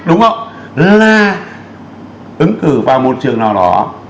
ứng cử vào một trường nào đó